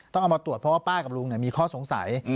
ต้องเอามาตรวจเพราะว่าป้ากับลุงมีข้อสงสัย